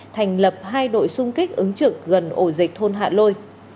thành lập hai đội xung kích ứng trực gần ổ dịch thôn hạ lôi